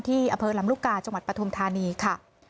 อำเภอลำลูกกาจังหวัดปฐุมธานีค่ะ